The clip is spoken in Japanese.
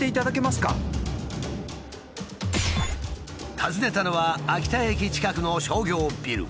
訪ねたのは秋田駅近くの商業ビル。